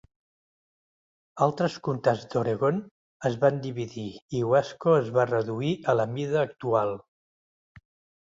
Altres comtats d'Oregon es van dividir i Wasco es va reduir a la mida actual.